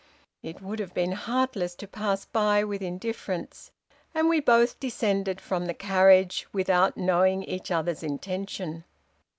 It would have been heartless to pass by with indifference, and we both descended from the carriage, without knowing each other's intention.